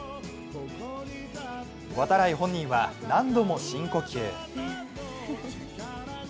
度会本人は何度も深呼吸。